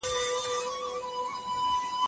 ماشوم د انا له پښو څخه ځان تاواوه.